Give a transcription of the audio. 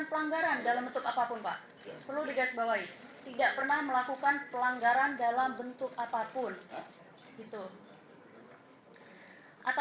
karena hotel kita tidak salah apa apa